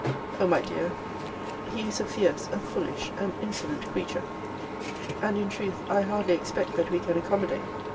O my dear! he is a fierce, a foolish, an insolent creature! And, in truth, I hardly expect that we can accommodate.